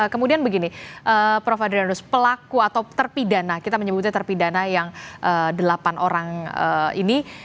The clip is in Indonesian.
kemudian begini prof adrianus pelaku atau terpidana kita menyebutnya terpidana yang delapan orang ini